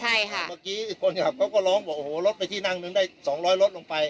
เมื่อกี้คนขับเขาก็ล้องรถไปที่นั่งนึงได้๒๐๐รถลงไป